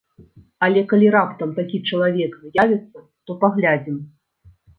Але калі раптам такі чалавек з'явіцца, то паглядзім.